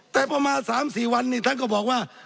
แต่ประมาณ๓๔วันนี้ท่านก็บอกว่า